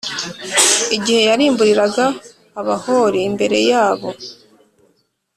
igihe yarimburiraga Abahori imbere yabo